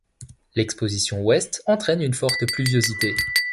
L'exposition ouest entraîne une forte pluviosité.